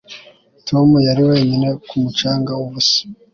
Tom yari wenyine ku mucanga wubusa